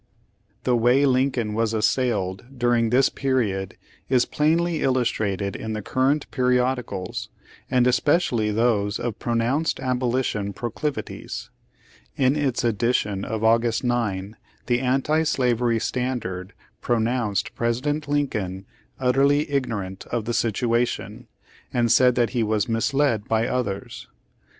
The way Lincoln was assailed during this period is plainly illustrated in the current periodicals, and especially those of pronounced abolition pro clivities. In its edition of August 9, the Anti Slavery Standard pronounced President Lincoln "utterly ignorant" of the situation, and said that he was "misled by others."